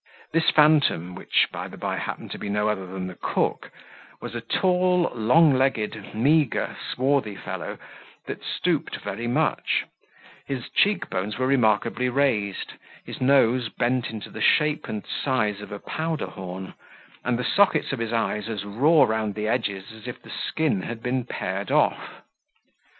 This phantom (which, by the bye, happened to be no other than the cook) was a tall, long legged, meagre, swarthy fellow, that stooped very much; his cheek bones were remarkably raised, his nose bent into the shape and size of a powder horn, and the sockets of his eyes as raw round the edges as if the skin had been pared off.